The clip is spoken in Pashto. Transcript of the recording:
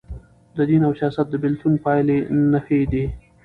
د دین او سیاست د بیلتون پایلي نهه دي.